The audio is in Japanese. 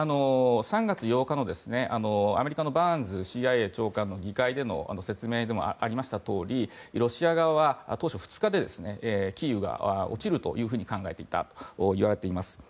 ３月８日のアメリカのバーンズＣＩＡ長官の議会での説明にもありましたとおりロシア側は当初、２日でキーウが落ちるというふうに考えていたといわれています。